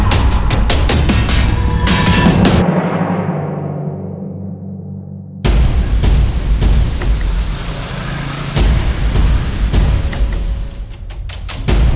kau kehilangan harapan aku